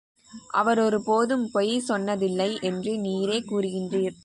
அவர் ஒரு போதும் பொய் சொன்னதில்லை என்று நீரே கூறுகின்றீர்.